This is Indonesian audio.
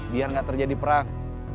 biar gak terjadi perang